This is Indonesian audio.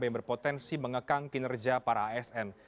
yang berpotensi mengekang kinerja para asn